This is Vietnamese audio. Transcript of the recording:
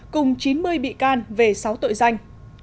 cùng chín mươi bị can về sáu tội danh